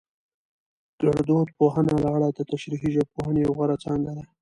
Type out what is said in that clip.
ګړدود پوهنه له اره دتشريحي ژبپوهنې يوه غوره څانګه ده